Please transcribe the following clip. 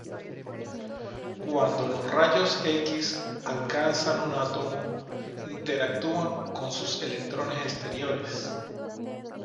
Cuando los rayos X alcanzan un átomo interactúan con sus electrones exteriores.